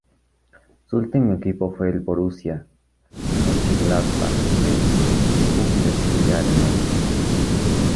Su último equipo fue el Borussia Mönchengladbach de la Bundesliga alemana.